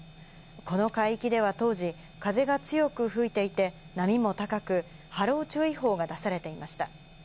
この海域では当時、風が強く吹いていて、波も高く、波浪注意報が出されていました。